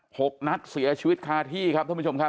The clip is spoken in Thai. หกนัดเสียชีวิตคาที่ครับท่านผู้ชมครับ